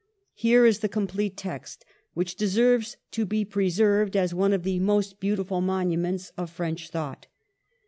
Here is the complete text, which deserves to be preserved as one of the most beautiful monuments of French thought.